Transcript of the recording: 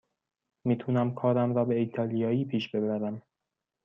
می تونم کارم را به ایتالیایی پیش ببرم.